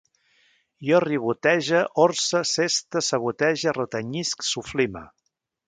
Jo ribotege, orse, seste, sabotege, retenyisc, soflime